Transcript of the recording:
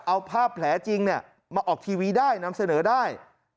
เอาภาพแผลจริงมาออกทีวีได้นำเสนอได้